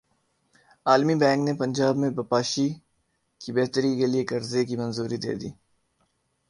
عالمی بینک نے پنجاب میں بپاشی کی بہتری کیلئے قرضے کی منظوری دے دی